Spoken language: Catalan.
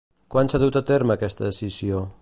Quan s'ha dut a terme aquesta escissió?